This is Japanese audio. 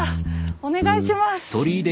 お願いします。